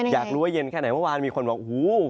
อยากรู้ว่าเย็นไู้เมื่อวานดังครั้งถ้ามีคนว่าแห่งหนาว